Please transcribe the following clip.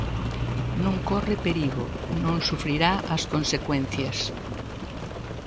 Non corre perigo, non sufrirá as consecuencias.